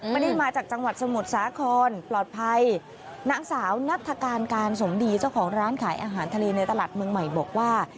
มาจากจังหวัดสมุทรสาครปลอดภัยนางสาวนัฐการสมดีเจ้าของร้านขายอาหารทะเลในตลาดเมืองใหม่บอกว่า